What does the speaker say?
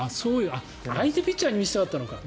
相手ピッチャーに見せたかったのか。